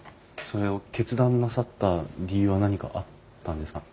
それを決断なさった理由は何かあったんですか？